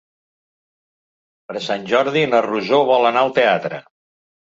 Per Sant Jordi na Rosó vol anar al teatre.